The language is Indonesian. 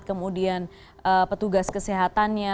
kemudian petugas kesehatannya